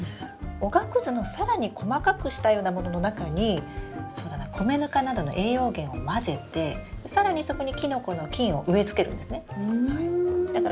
おがくずの更に細かくしたようなものの中にそうだな米ぬかなどの栄養源を混ぜて更にそこにキノコの菌を植えつけるんですね。